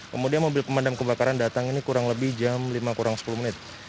kemudian mobil pemadam kebakaran datang ini kurang lebih jam lima kurang sepuluh menit